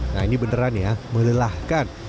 nah ini beneran ya melelahkan